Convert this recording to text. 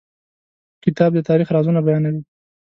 کتاب د تاریخ رازونه بیانوي.